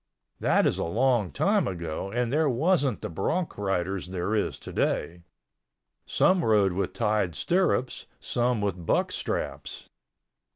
That is a long time ago and there wasn't the bronc riders there is today. Some rode with tied stirrups, some with buck straps.